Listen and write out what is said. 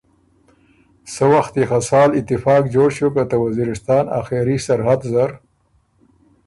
سۀ وخت يې خه سا اتفاق جوړ ݭیوک که ته وزیرستان آخېري سرحد زر